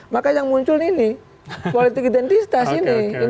maka yang muncul ini politik identitas ini